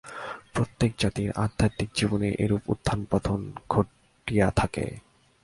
প্রত্যেক জাতির আধ্যাত্মিক জীবনে এইরূপ উত্থান পতন ঘটিয়া থাকে।